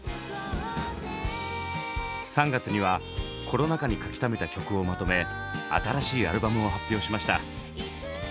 ３月にはコロナ禍に書きためた曲をまとめ新しいアルバムを発表しました。